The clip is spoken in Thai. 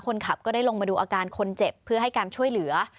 คนขับก็ได้ลงมาดูอาการคนเจ็บเพื่อให้การช่วยเหลือ